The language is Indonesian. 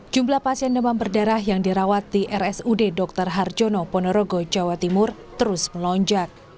jumlah pasien demam berdarah yang dirawat di rsud dr harjono ponorogo jawa timur terus melonjak